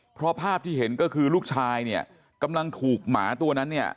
เพราะภาพที่เห็นก็คือลูกชายเนี่ยกำลังถูกหมาตัวนั้นเนี่ย